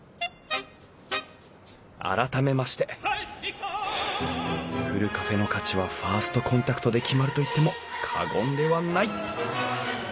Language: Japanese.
改めましてふるカフェの価値はファーストコンタクトで決まると言っても過言ではない。